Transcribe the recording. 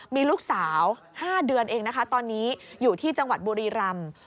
มีลูกสาว๕เดือนเองนะคะตอนนี้อยู่ที่จังหวัดบุรีรำ